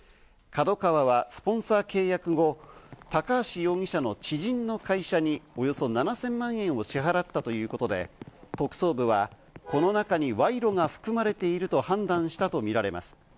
ＫＡＤＯＫＡＷＡはスポンサー契約後、高橋容疑者の知人の会社におよそ７０００万円を支払ったということで、特捜部はこの中に賄賂が含まれていると判断したとみられます。